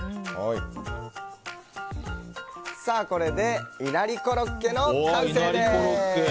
これでいなりコロッケの完成です！